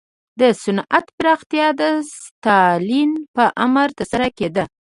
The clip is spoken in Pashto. د صنعت پراختیا د ستالین په امر ترسره کېده